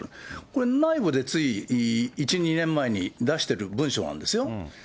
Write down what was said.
これ、内部でつい１、２年前に出してる文書なんですよ。